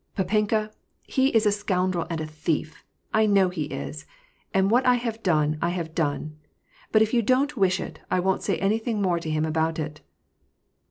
" Papenka, he is a scoundrel and a thief : I know he is ! And what 1 have done, I have done. But if you don't wish it, I won't say anything more to him about it."